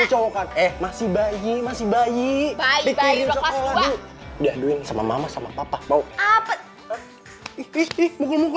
cowok cowok eek masih bayi masih bayi bayi bayi coba sama mama sama papa mau apa ngerti mukul mukul